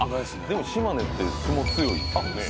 でも島根って相撲強いっすよね。